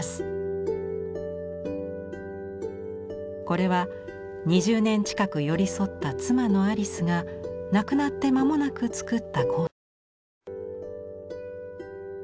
これは２０年近く寄り添った妻のアリスが亡くなって間もなく作った香水瓶。